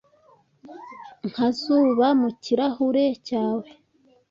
nka zuba mu kirahure cyawe